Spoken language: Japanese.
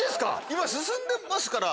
今進んでますから。